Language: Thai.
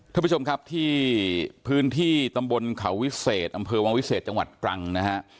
ท่านผู้ชมครับที่พื้นที่ตำบลเขาวิเศษอำเภอวังวิเศษจังหวัดตรังนะฮะ